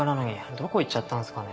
どこ行っちゃったんすかね。